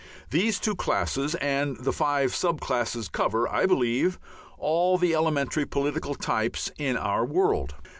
These two classes and the five sub classes cover, I believe, all the elementary political types in our world.